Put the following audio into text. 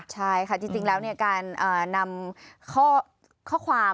ใช่ค่ะจริงแล้วการนำข้อความ